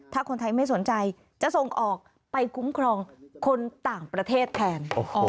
ถ้าคนไทยไม่สนใจจะส่งออกไปคุ้มครองคนต่างประเทศแทน